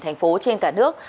thành phố trên cả nước